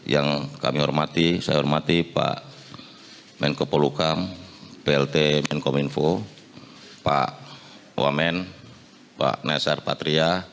yang kami hormati saya hormati pak menko polukam plt menkominfo pak wamen pak nesyar patria